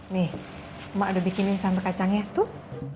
nih emak udah bikinin sambal kacangnya tuh